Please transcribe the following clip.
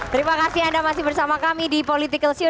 terima kasih anda masih bersama kami di political show